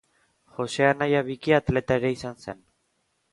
Jose anai bikia atleta ere izan zen.